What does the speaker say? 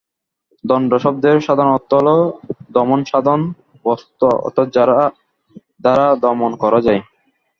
দণ্ড শব্দের সাধারণ অর্থ হলো দমনসাধন বস্ত্ত—অর্থাৎ যার দ্বারা দমন করা যায়।